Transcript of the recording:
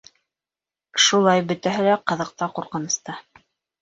Шулай бөтәһе лә ҡыҙыҡ та, ҡурҡыныс та.